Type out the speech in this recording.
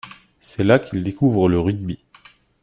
C’est là qu'il découvre le rugby.